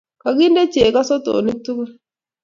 Kakinde chego eng sotonik tugul